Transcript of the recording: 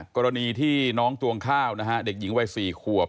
กรณีที่น้องตวงข้าวนะฮะเด็กหญิงวัย๔ขวบ